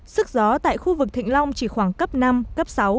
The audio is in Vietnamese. sức gió tại khu vực thịnh long chỉ khoảng cấp năm cấp sáu